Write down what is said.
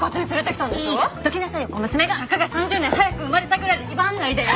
たかが３０年早く生まれたぐらいで威張らないでよ！